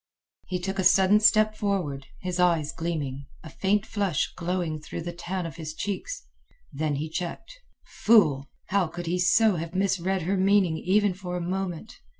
He took a sudden step forward, his eyes gleaming, a faint flush glowing through the tan of his cheeks. Then he checked. Fool! How could he so have misread her meaning even for a moment?